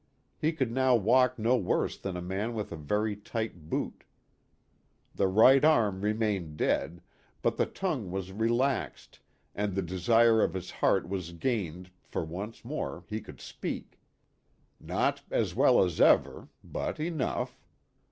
He could now walk no worse than a man with a very tight boot. The right arm remained dead, but the tongue was relaxed, and the desire of his heart was gained, for once more he could speak. Not "as well as ever," but enough.